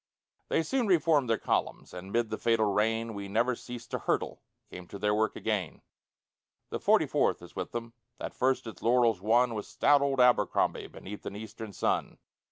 They soon re formed their columns, And, mid the fatal rain We never ceased to hurtle, Came to their work again. The Forty fourth is with them, That first its laurels won With stout old Abercrombie Beneath an eastern sun.